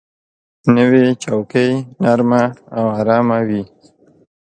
نوې چوکۍ نرمه او آرامه وي